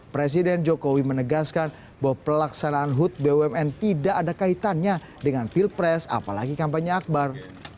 presiden jokowi menegaskan bahwa pelaksanaan hut bumn tidak ada kaitannya dengan pilpres apalagi kampanye akbar